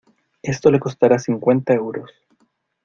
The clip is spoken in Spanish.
Esto le costará cincuenta euros.